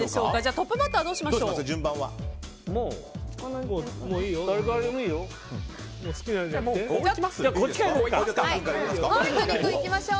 トップバッターはどうしましょう。